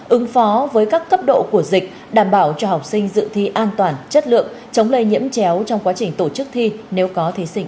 ứng phó với các cấp độ của dịch đảm bảo cho học sinh dự thi an toàn chất lượng chống lây nhiễm chéo trong quá trình tổ chức thi nếu có thí sinh